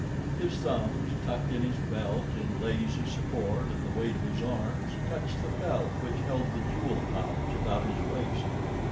His thumbs, tucked in his belt in lazy support of the weight of his arms, touched the belt which held the jewel pouch about his waist.